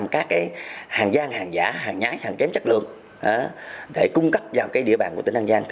các hàng gian hàng giả hàng nhái hàng kém chất lượng để cung cấp vào địa bàn của tỉnh an giang